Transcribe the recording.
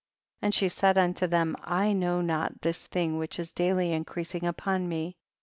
139 and she said unto them, I know not this thing which is daily increasing upon me. 38.